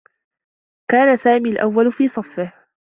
كان سامي الأوّل في صفّه.